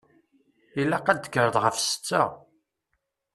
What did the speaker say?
Ilaq ad d-tekkreḍ ɣef setta.